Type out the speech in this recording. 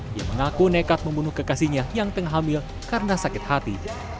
dia mengaku nekat membunuh kekasihnya yang tengah hamil karena sakit hati